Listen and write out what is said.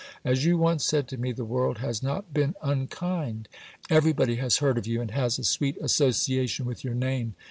As you once said to me "the world has not been unkind." Everybody has heard of you and has a sweet association with your name.